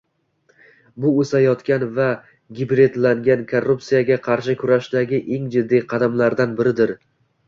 Bu o'sayotgan va gibridlangan korruptsiyaga qarshi kurashdagi eng jiddiy qadamlardan biridir